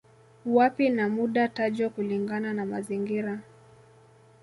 Wapi na muda tajwa kulingana na mazingira